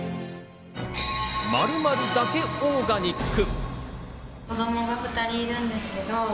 ○○だけオーガニック。